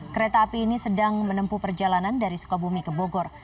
kereta api ini sedang menempuh perjalanan dari sukabumi ke bogor